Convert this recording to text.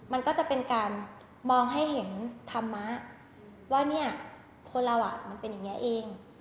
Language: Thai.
มันก็จะเป็นการมองให้เห็นธรรมะว่าเนี่ยคนเรามันเป็นอย่างนี้เอง